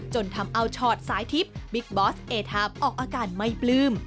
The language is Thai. จนทำเอาชอตสายทิพย์บิ๊กบอสเอทามออกอาการไม่ปลื้ม